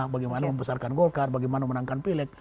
bagaimana membesarkan golkar bagaimana menangkan pileg